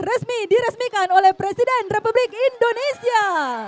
resmi diresmikan oleh presiden republik indonesia